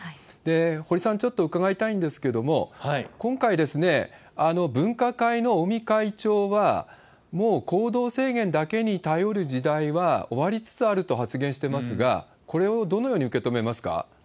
堀さん、ちょっと伺いたいんですけども、今回、分科会の尾身会長は、もう行動制限だけに頼る時代は終わりつつあると発言してますが、これをどのように受け止めますか？